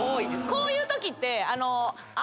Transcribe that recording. こういうときって。